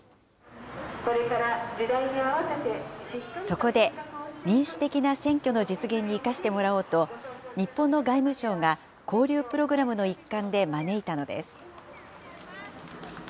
そこで、民主的な選挙の実現に生かしてもらおうと、日本の外務省が交流プログラムの一環で招いたのです。